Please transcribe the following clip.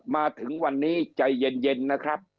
มาถึงวันนี้ใจเย็นนะครับ